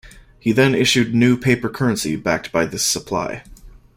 He then issued new paper currency backed by this supply.